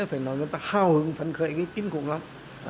phải nói người ta hào hứng phấn khởi cái kinh khủng lắm